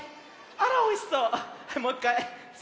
あらおいしそう。